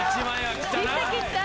切った切った。